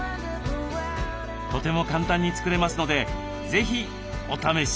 とても簡単に作れますので是非お試しを。